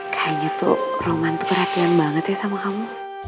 kayaknya tuh roman tuh perhatian banget ya sama kamu